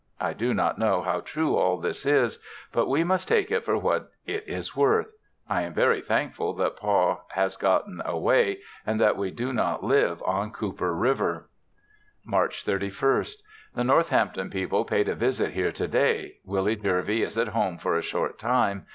I do not know how true all this is, but we must take it for what it is worth. I am very thankful that Pa has gotten away and that we do not live on Cooper river. March 31st. The Northampton people paid a visit here to day. Willie Jervey is at home for a short time.